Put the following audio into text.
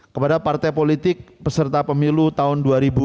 kepada partai politik peserta pemilu tahun dua ribu dua puluh